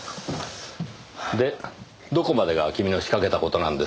でどこまでが君の仕掛けた事なんですか？